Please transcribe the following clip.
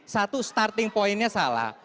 satu starting pointnya salah